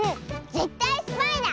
ぜったいスパイだ！